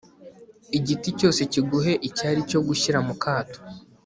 igiti cyose kiguhe icyari cyo gushyira mu kato